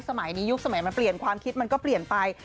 สมัยนี้ยุคสมัยมันเปลี่ยนความคิดมันก็เปลี่ยนไป